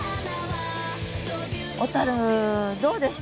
小どうでした？